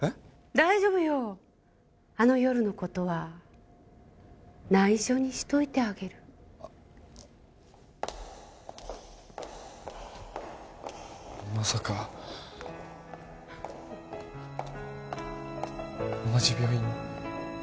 大丈夫よあの夜のことはナイショにしといてあげるまさか同じ病院？